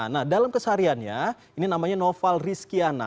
nah dalam kesaharian ya ini namanya noval rizkyana